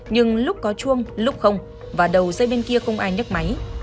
nhưng lúc có chuông lúc không và đầu dây bên kia không ai nhấc máy